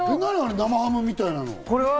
生ハムみたいなの。